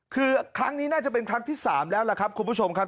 คือครั้งนี้น่าจะเป็นครั้งที่๓แล้วล่ะครับคุณผู้ชมครับ